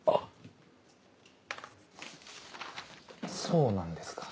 そうなんですか。